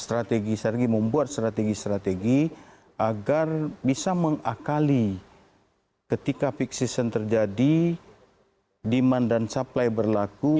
strategi strategi membuat strategi strategi agar bisa mengakali ketika peak season terjadi demand dan supply berlaku